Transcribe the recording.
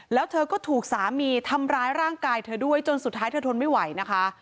แล้วเธอก็ถูกสามีทำร้ายร่างกายเธอด้วยจนสุดท้ายเธอทนไม่ไหวนะคะ